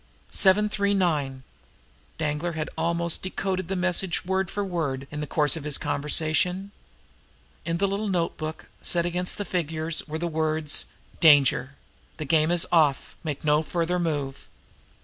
"Seven Three Nine!" Danglar had almost decoded the message word for word in the course of his conversation. In the little notebook, set against the figures, were the words: "Danger. The game is off. Make no further move."